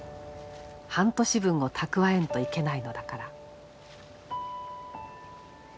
半年分を蓄えんといけないのだから」。